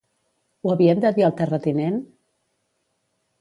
Ho havien de dir al terratinent?